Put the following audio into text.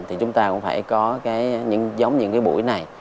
thì chúng ta cũng phải có giống những cái buổi này